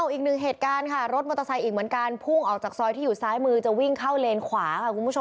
อีกนึงเหตุการณ์ค่ารถมอเตอร์ไซค์อีกเหมือนกันผู้งออกจากซ้อยที่อยู่ซ้ายมือจะวิ่งเข้าเลนส์ขวา